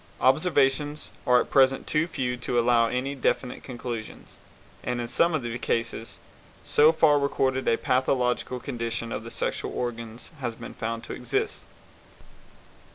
Observations are at present too few to allow any definite conclusions, and in some of the cases so far recorded a pathological condition of the sexual organs has been found to exist.